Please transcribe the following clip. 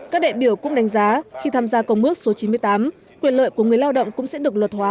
các đại biểu cũng đánh giá khi tham gia công ước số chín mươi tám quyền lợi của người lao động cũng sẽ được luật hóa